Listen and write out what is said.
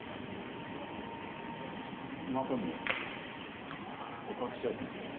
真心に告白しようと思って。